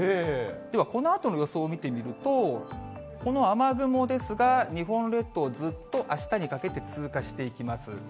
では、このあとの予想を見てみると、この雨雲ですが、日本列島、ずっとあしたにかけて通過していきます。